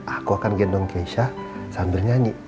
aku akan gendong keisha sambil nyanyi